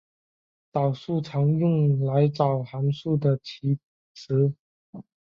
导数常用来找函数的极值。